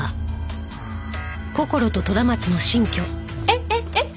えっえっえっ？